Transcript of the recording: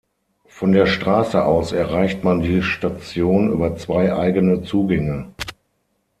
Von der Straße aus erreicht man die Station über zwei eigene Zugänge.